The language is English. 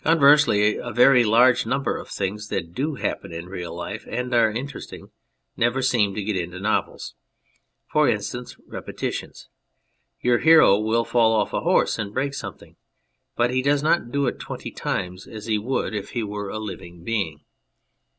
Conversely, a very large number of things that do happen in real life and are interesting never seem to get into novels. For instance, repetitions. Your hero will fall off a horse and break something, but he does not do it twenty times as he would if he were a 42 On People in Books living being.